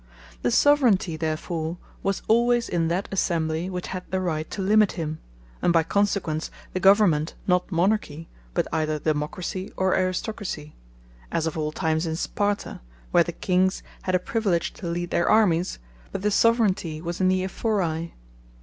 The Soveraignty therefore was alwaies in that Assembly which had the Right to Limit him; and by consequence the government not Monarchy, but either Democracy, or Aristocracy; as of old time in Sparta; where the Kings had a priviledge to lead their Armies; but the Soveraignty was in the Ephori.